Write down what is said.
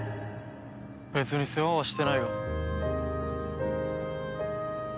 別に世話はしてないが。